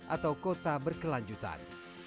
atau kota berkelanjutan